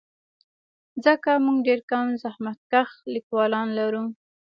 ځکه موږ ډېر کم زحمتکښ لیکوالان لرو.